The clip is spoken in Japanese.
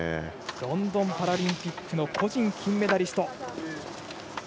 ロンドンパラリンピック個人金メダリスト。